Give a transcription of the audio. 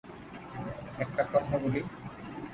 একটা কথা বলি।